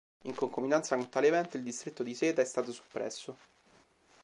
In concomitanza con tale evento, il distretto di Seta è stato soppresso.